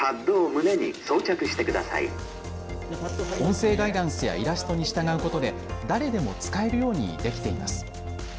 音声ガイダンスやイラストに従うことで誰でも使えるようにできています。